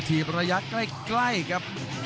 ก่อนประยะใกล้ครับ